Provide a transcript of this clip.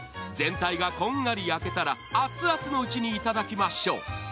全体がこんがり焼けたらアツアツのうちにいただきましょう。